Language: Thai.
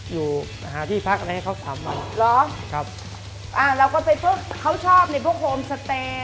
อยู่หาที่พักอะไรให้เขาสามวันเหรอครับอ่าเราก็ไปพบเขาชอบในพวกโฮมสเตย์